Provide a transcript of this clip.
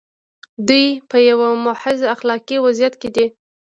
دوی په یوه محض اخلاقي وضعیت کې دي.